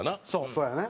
そうやね。